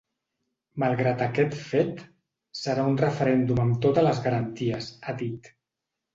Malgrat aquest fet, serà un referèndum amb totes les garanties, ha dit.